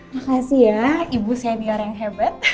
makasih ya ibu senior yang hebat